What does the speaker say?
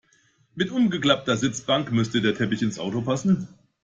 Mit umgeklappter Sitzbank müsste der Teppich ins Auto passen.